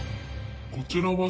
こちらは。